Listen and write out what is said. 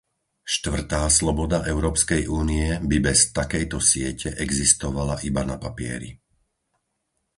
Štvrtá sloboda Európskej únie by bez takejto siete existovala iba na papieri.